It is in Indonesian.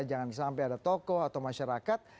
jangan sampai ada tokoh atau masyarakat